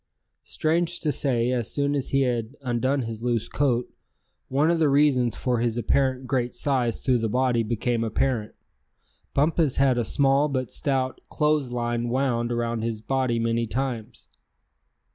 Strange to say, as soon as he had undone his loose coat, one of the reasons for his apparent great size through the body became apparent. Bumpus had a small but stout clothes line wound around his body many times.